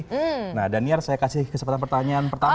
jadi nah daniar saya kasih kesempatan pertanyaan pertama deh